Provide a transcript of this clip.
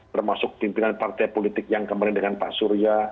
termasuk pimpinan partai politik yang kemarin dengan pak surya